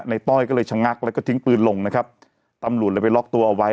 ต้อยก็เลยชะงักแล้วก็ทิ้งปืนลงนะครับตำรวจเลยไปล็อกตัวเอาไว้